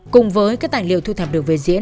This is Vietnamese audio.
cùng với các tài liệu thu thập được về diễn